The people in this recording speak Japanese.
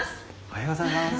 おはようございます。